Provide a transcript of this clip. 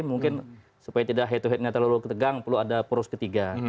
mungkin supaya tidak head to headnya terlalu ketegang perlu ada poros ketiga